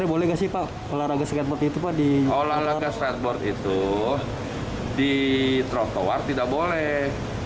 olahraga skateboard itu di trotoar tidak boleh